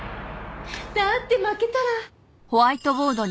だって負けたら。